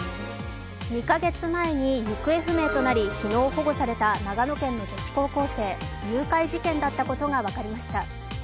２か月前に行方不明となり昨日保護された長野県の女子高校生誘拐事件だったことが分かりました。